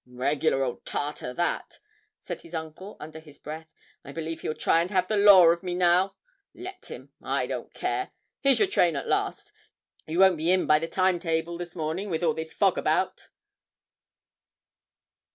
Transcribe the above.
'Regular old Tartar, that!' said his uncle, under his breath. 'I believe he'll try and have the law of me now. Let him I don't care! Here's your train at last. You won't be in by the time table this morning with all this fog about.'